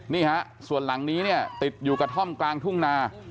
นี่ฮะส่วนหลังนี้เนี่ยติดอยู่กระท่อมกลางทุ่งนา